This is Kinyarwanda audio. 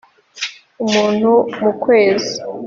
umuntu mu kwezi